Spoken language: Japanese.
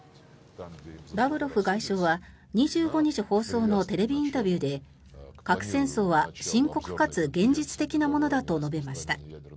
ラブロフ外相は２５日放送のテレビインタビューで核戦争は深刻かつ現実的なものだと述べました。